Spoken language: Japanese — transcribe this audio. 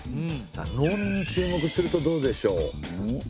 農民に注目するとどうでしょう？